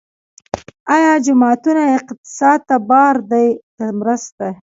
آیا جوماتونه اقتصاد ته بار دي که مرسته؟